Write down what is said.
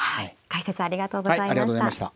解説ありがとうございました。